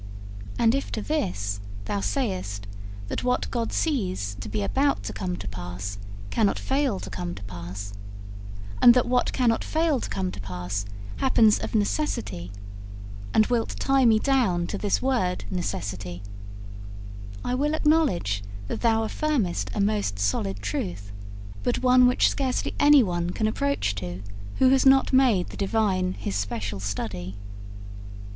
And if to this thou sayest that what God sees to be about to come to pass cannot fail to come to pass, and that what cannot fail to come to pass happens of necessity, and wilt tie me down to this word necessity, I will acknowledge that thou affirmest a most solid truth, but one which scarcely anyone can approach to who has not made the Divine his special study.